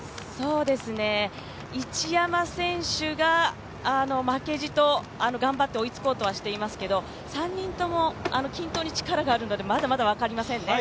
一山選手が負けじと頑張って追いつこうとはしていますけど３人とも均等に力があるのでまだまだ分かりませんね。